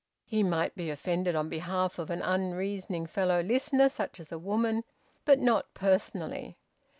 He might be offended on behalf of an unreasoning fellow listener, such as a woman, but not personally.